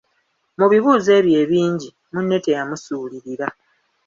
Mu bibuuzo ebyo ebingi, munne teyamusuulirira.